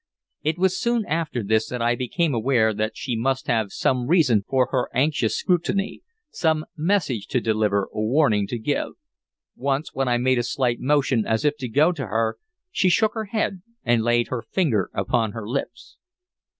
It was soon after this that I became aware that she must have some reason for her anxious scrutiny, some message to deliver or warning to give. Once when I made a slight motion as if to go to her, she shook her head and laid her finger upon her lips.